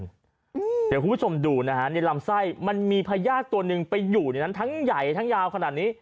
เดี๋ยวคุณผู้ชมดูนะฮะในลำไส้มันมีพญาติตัวหนึ่งไปอยู่ในนั้นทั้งใหญ่ทั้งยาวขนาดนี้